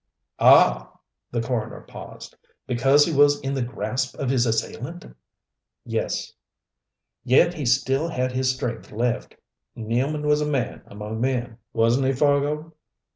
"Ah!" The coroner paused. "Because he was in the grasp of his assailant?" "Yes." "Yet he still had his strength left. Nealman was a man among men, wasn't he, Fargo?"